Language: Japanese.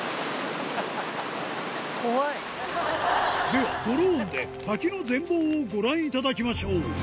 では、ドローンで、滝の全貌をご覧いただきましょう。